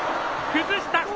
崩した。